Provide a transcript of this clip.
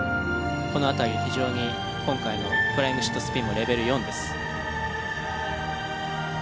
この辺り非常に今回のフライングシットスピンもレベル４です。